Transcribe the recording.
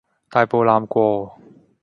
大步揇過!